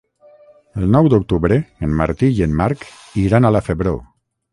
El nou d'octubre en Martí i en Marc iran a la Febró.